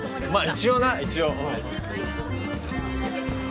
一応な一応。